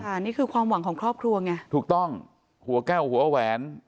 นี่คือความหวังของครอบครัวไงถูกต้องหัวแก้วหัวแหวน